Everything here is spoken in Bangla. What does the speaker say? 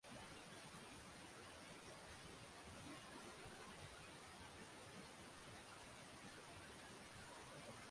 শুধুমাত্র এরা দুজনই সিঙ্গাপুরের বাসিন্দা হয়েও উক্ত গ্রুপের সদস্য হওয়ার যোগ্যতা অর্জন করেছেন।